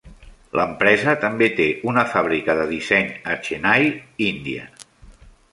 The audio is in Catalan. L'empresa també té una fàbrica de disseny a Txennai, Índia.